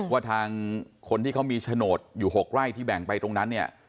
ว่าทางคนที่เขามีโฉนดอยู่๖ไร่ที่แบ่งไปตรงนั้นเนี่ย